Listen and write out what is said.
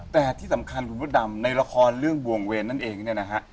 แต่ที่สำคัญคุณพระดำในละครเรื่องบวงเวรนั่นเองเนี่ยนะฮะ